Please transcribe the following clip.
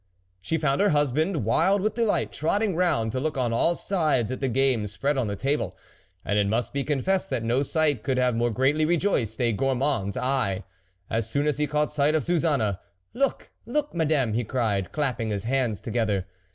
She found her husband, wild with de light, trotting round to look on all sides at the game spread on the table, and it must be confessed, that no sight could have more greatly rejoiced a gourmand's eye. As soon as he caught sight of Suzanne, "Look, look, Madame! " he cried, clapping his hands together.'